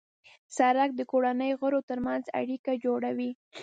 سړک د کورنۍ غړو ترمنځ اړیکه جوړوي.